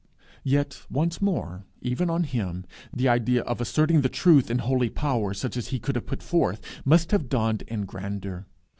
Yet, once more, even on him, the idea of asserting the truth in holy power such as he could have put forth, must have dawned in grandeur.